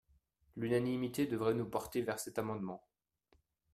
L’unanimité devrait nous porter vers cet amendement